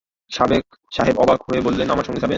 সাহেব অবাক হয়ে বললেন, আমার সঙ্গে যাবেন!